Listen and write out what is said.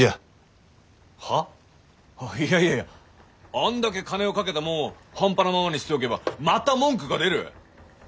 あんだけ金をかけたもんを半端なままに捨て置けばまた文句が出る。